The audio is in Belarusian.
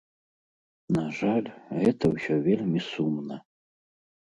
На жаль, гэта ўсё вельмі сумна.